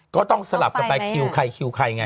ก็ต้องสลับกันไปคิวใครคิวใครไง